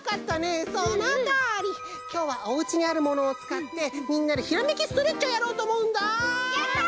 きょうはおうちにあるものをつかってみんなでひらめきストレッチをやろうとおもうんだ！